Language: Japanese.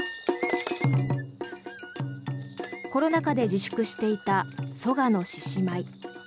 コロナ禍で自粛していた曽我の獅子舞。